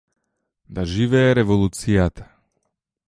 Да живее Револуцијата.